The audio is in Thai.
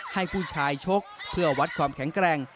ให้ผู้ชายชกเพื่อวัดความแข็งแกร่ง